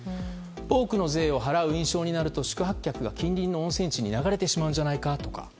多くの税を払う印象になると宿泊客が近隣の温泉地に流れてしまうんじゃないかとか。